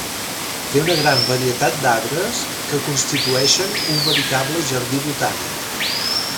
Té una gran varietat d'arbres que constitueixen un veritable jardí botànic.